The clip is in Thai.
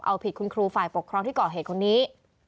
เอาผิดคุณครูฝ่ายปกครองที่ก่อเหตุคนนี้